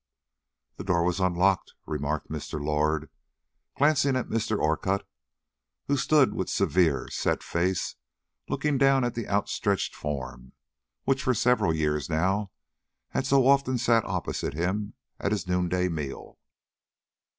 "That door was unlocked," remarked Mr. Lord, glancing at Mr. Orcutt, who stood with severe, set face, looking down at the outstretched form which, for several years now, had so often sat opposite to him at his noonday meal.